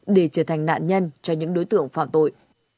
để trở thành nạn nhân cho những đối tượng phạm tội